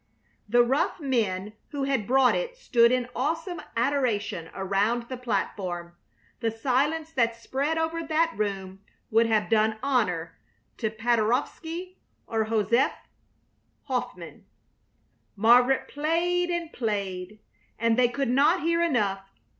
The rough men who had brought it stood in awesome adoration around the platform; the silence that spread over that room would have done honor to Paderewski or Josef Hoffman. Margaret played and played, and they could not hear enough.